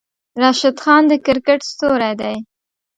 راشد خان د کرکیټ ستوری دی.